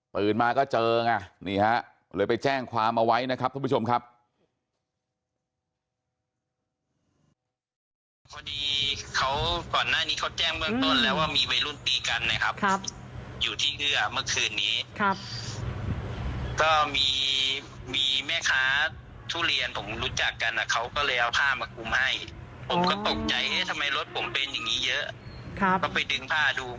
ปืนมาก็เจอไงนี่ฮะเลยไปแจ้งความเอาไว้นะครับทุกผู้ชมครับ